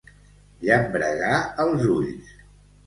Llambregar els ulls.